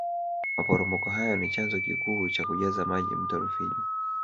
maporomoko hayo ni chanzo kikuu cha kujaza maji mto rufiji